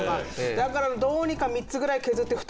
だからどうにか３つぐらい削って。